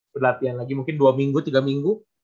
berlatihan lagi mungkin dua minggu tiga minggu